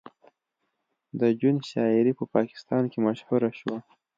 د جون شاعري په پاکستان کې مشهوره شوه